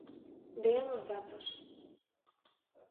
¡Dean os datos!